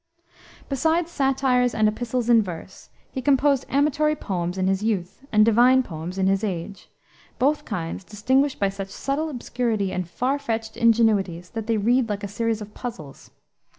Besides satires and epistles in verse, he composed amatory poems in his youth, and divine poems in his age, both kinds distinguished by such subtle obscurity, and far fetched ingenuities, that they read like a series of puzzles.